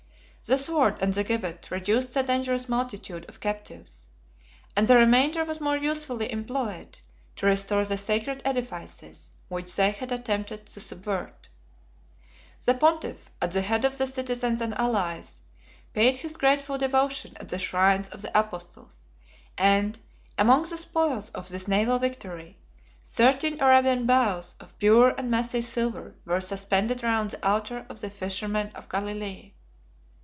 The sword and the gibbet reduced the dangerous multitude of captives; and the remainder was more usefully employed, to restore the sacred edifices which they had attempted to subvert. The pontiff, at the head of the citizens and allies, paid his grateful devotion at the shrines of the apostles; and, among the spoils of this naval victory, thirteen Arabian bows of pure and massy silver were suspended round the altar of the fishermen of Galilee.